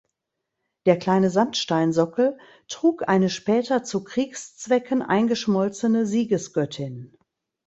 Der kleine Sandsteinsockel trug eine später zu Kriegszwecken eingeschmolzene Siegesgöttin.